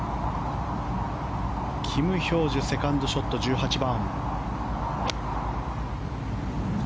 キム・ヒョージュセカンドショット、１８番。